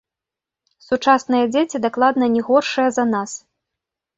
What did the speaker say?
Сучасныя дзеці дакладна не горшыя за нас.